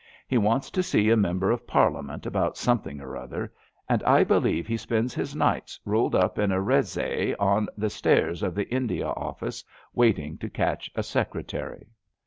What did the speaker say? He wants to see a Member of Parliament about something or other, and I believe he spends his nights rolled up in a rezai on the stairs of the India Office wait ing to catch a secretary.